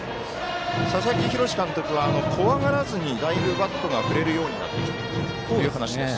佐々木洋監督は怖がらずにだいぶバットが振れるようになってきているという話です。